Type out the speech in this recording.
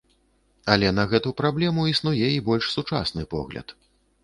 Але на гэту праблему існуе і больш сучасны погляд.